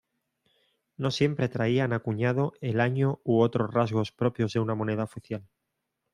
No siempre traían acuñado el año u otros rasgos propios de una moneda oficial.